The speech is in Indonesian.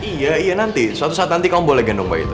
iya iya nanti suatu saat nanti kamu boleh gendong mbak itu